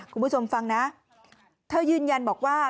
คุณผู้ชมฟังนะเธอยืนยันบอกว่า